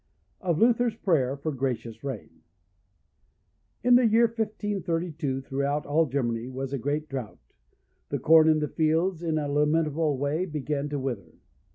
Of Luther's Prayer for a gracious Rain. In the year 1532, throughout all Germany was a great drought, the corn in the fields in a lamentable way began to wither.